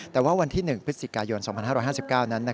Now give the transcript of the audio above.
แต่ว่าวันที่๑พฤศจิกายน๒๕๕๙นั้น